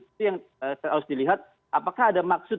itu yang harus dilihat apakah ada maksud